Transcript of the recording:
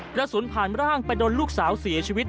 กระสุนผ่านร่างไปโดนลูกสาวเสียชีวิต